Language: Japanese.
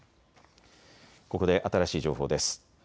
ここで新しい情報です。